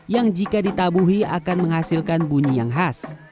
yang jika ditabuhi akan menghasilkan bunyi yang khas